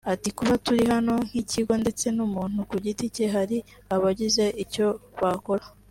Ati “Kuba turi hano nk’ikigo ndetse n’umuntu ku giti cye hari abagize icyo bakora